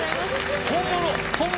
本物！